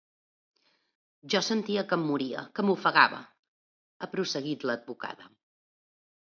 Jo sentia que em moria, que m’ofegava –ha prosseguit l’advocada–.